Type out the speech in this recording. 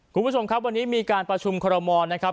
คุณผู้ชมครับวันนี้มีการประชุมคอรมอลนะครับ